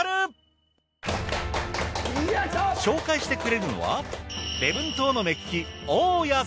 紹介してくれるのは。